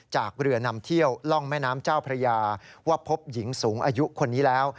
จากเรือนำเที่ยวล่องแม่น้ำเจ้าพระยาว่าพบหญิงสูงอายุคนนี้แล้ว